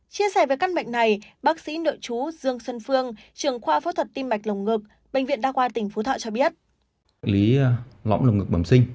chia sẻ về các bệnh này bác sĩ nội chú dương xuân phương trường khoa phẫu thuật tim mạch lông ngực